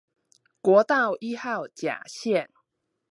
國道一號甲線